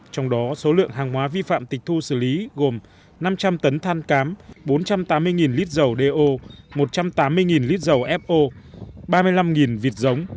trong đó số lượng hàng hóa vi phạm tịch thu xử lý gồm năm trăm linh tấn than cám bốn trăm tám mươi lít dầu do một trăm tám mươi lít dầu fo ba mươi năm vịt giống